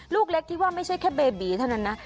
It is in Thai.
ลูกเล็กที่ว่าไม่ใช่แค่เบบีเท่านั้นนะ